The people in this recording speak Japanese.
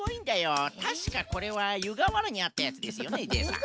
たしかこれはゆがわらにあったやつですよねジェイさん。